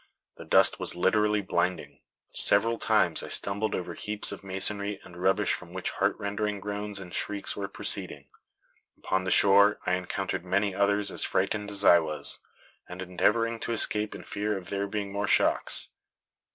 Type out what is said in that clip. The dust was literally blinding. Several times I stumbled over heaps of masonry and rubbish from which heart rendering groans and shrieks were proceeding. Upon the shore I encountered many others as frightened as I was, and endeavoring to escape in fear of there being more shocks.